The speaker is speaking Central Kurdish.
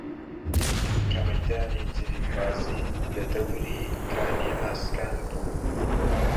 کە مەیدانی جریدبازی لە دەوری کانی ئاسکان بوو